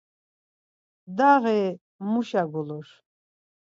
Daği muşa gulur.